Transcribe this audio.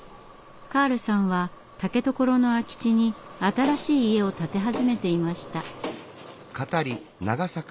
カールさんは竹所の空き地に新しい家を建て始めていました。